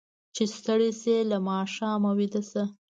چې ستړي شي، له ماښامه ویده شي.